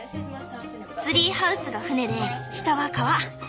ツリーハウスが船で下は川。